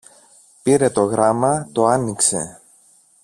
Πήρε το γράμμα, το άνοιξε